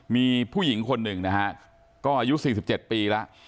มีผู้หญิงคนหนึ่งนะฮะก็อายุสี่สิบเจ็ดปีแล้ว